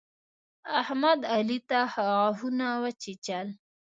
احمد، علي ته غاښونه وچيچل.